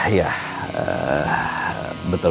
tidak ada pengetahuan